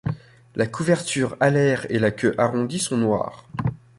La couverture alaire et la queue arrondie sont noires.